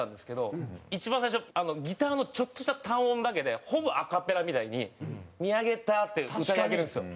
一番最初ギターのちょっとした単音だけでほぼアカペラみたいに「見上げた」って歌い上げるんですよ。